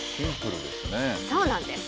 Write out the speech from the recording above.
そうなんです。